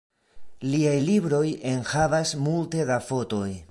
Liaj libroj enhavas multe da fotoj.